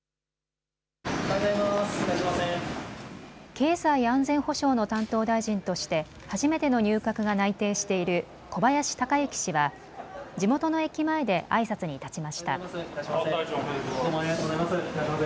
経済安全保障の担当大臣として初めての入閣が内定している小林鷹之氏は地元の駅前であいさつに立ちました。